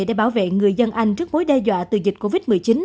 để bảo vệ người dân anh trước mối đe dọa từ dịch covid một mươi chín